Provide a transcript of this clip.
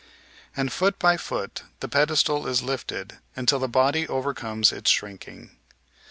And foot by foot the pedestal is lifted until the body overcomes its shrinking.